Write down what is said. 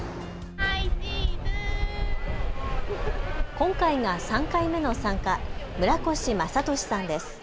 今回が３回目の参加、村越正俊さんです。